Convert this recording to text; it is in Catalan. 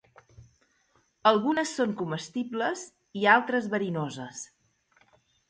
Algunes són comestibles i altres verinoses.